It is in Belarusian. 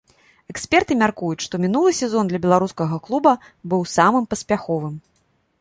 Эксперты мяркуюць, што мінулы сезон для беларускага клуба быў самым паспяховым.